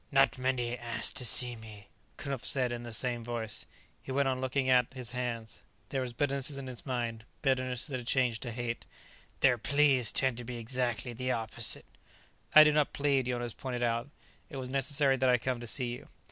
"Not many ask to see me," Knupf said in the same voice. He went on looking at his hands. There was bitterness in his mind, bitterness that had changed to hate. "Their pleas tend to be exactly the opposite." "I did not plead," Jonas pointed out. "It was necessary that I come to see you."